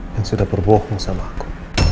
yang sudah berbohong sama aku